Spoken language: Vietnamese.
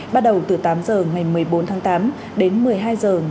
bắt đầu từ tám h ngày một mươi bốn tháng tám đến một mươi hai h